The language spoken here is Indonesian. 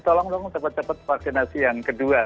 tolong dong cepat cepat vaksinasi yang kedua